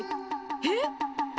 えっ？